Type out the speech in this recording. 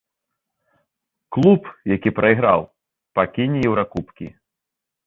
Клуб, які прайграў, пакіне еўракубкі.